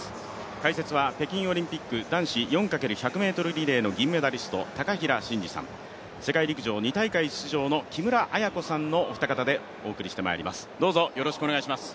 解説は北京オリンピック男子４×４００ｍリレーの銀メダリスト、高平慎士さん、世界陸上２大会出場の木村文子さんのお二方でお送りします。